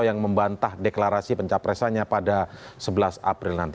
yang membantah deklarasi pencapresannya pada sebelas april nanti